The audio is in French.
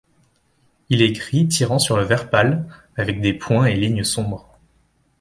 Il est gris tirant sur le vert pâle, avec des points et lignes sombres.